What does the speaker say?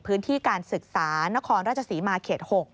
พื้นที่การศึกษานครราชศรีมาเขต๖